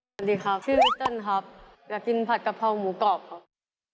สวัสดีครับชื่อพี่เติ้ลครับอยากกินผัดกะเพราหมูกรอบครับ